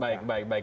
baik baik baik